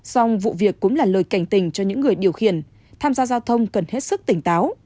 song vụ việc cũng là lời cảnh tình cho những người điều khiển tham gia giao thông cần hết sức tỉnh táo